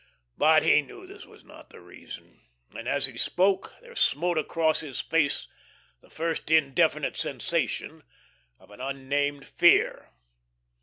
But he knew this was not the reason, and as he spoke, there smote across his face the first indefinite sensation of an unnamed fear.